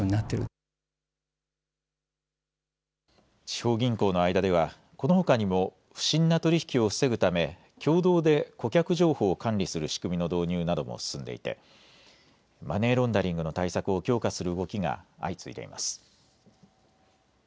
地方銀行の間では、このほかにも不審な取り引きを防ぐため共同で顧客情報を管理する仕組みの導入なども進んでいて、マネーロンダリングの対策を強化する動きが相次いでいます。